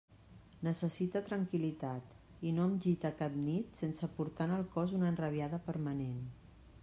Necessite tranquil·litat, i no em gite cap nit sense portar en el cos una enrabiada permanent.